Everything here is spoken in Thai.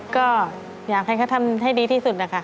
ก็อยากให้เขาทำให้ดีที่สุดนะคะ